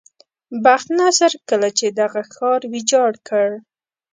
بخت نصر کله چې دغه ښار ویجاړ کړ.